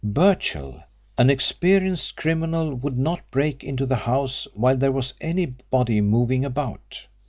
"Birchill, an experienced criminal, would not break into the house while there was anybody moving about.